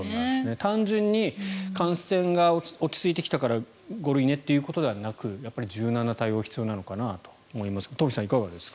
単純に感染が落ち着いてきたから５類ねということではなく柔軟な対応が必要なのかなと思いますが東輝さん、いかがですか？